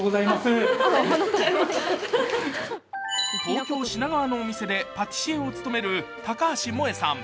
東京・品川のお店でパティシエを務める高橋萌さん。